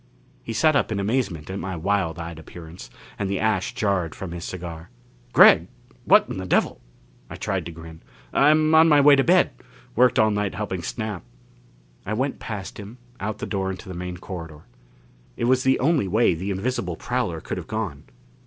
He sat up in amazement at my wild eyed appearance, and the ash jarred from his cigar. "Gregg! What in the devil " I tried to grin. "I'm on my way to bed worked all night helping Snap." I went past him, out the door into the main corridor. It was the only way the invisible prowler could have gone.